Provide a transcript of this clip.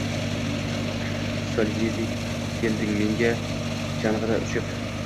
Solveyg! Kelding menga chang’ida uchib